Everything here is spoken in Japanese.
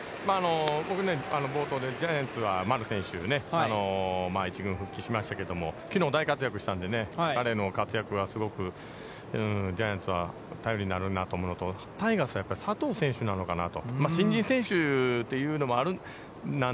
僕、暴投でジャイアンツは丸選手、１軍復帰しましたけど、きのう大活躍したんでね、彼の活躍はすごく、ジャイアンツは頼りになるなと思うのとタイガースは佐藤選手なのかなと。